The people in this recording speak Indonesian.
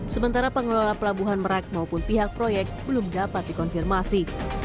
sementara pengelola pelabuhan merak maupun pihak proyek belum dapat dikonfirmasi